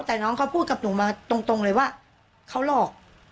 แต่น้องเขาพูดกับหนูมาตรงเลยว่าเขาหลอก